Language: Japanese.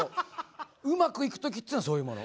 うまくいく時っていうのはそういうもの。